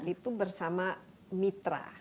itu bersama mitra